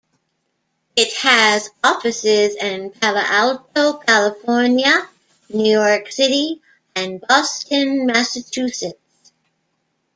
It has offices in Palo Alto, California; New York City; and Boston, Massachusetts.